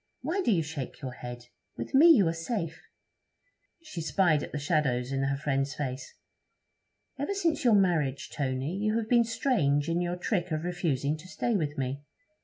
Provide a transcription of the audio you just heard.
Why do you shake your head? With me you are safe.' She spied at the shadows in her friend's face. 'Ever since your marriage, Tony, you have been strange in your trick of refusing to stay with me.